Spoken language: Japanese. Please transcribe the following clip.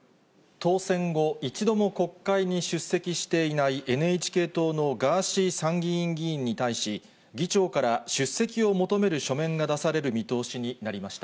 当選後、一度も国会に出席していないＮＨＫ党のガーシー参議院議員に対し、議長から出席を求める書面が出される見通しになりました。